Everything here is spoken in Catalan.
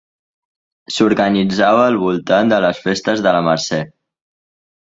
S'organitzava al voltant de les festes de la Mercè.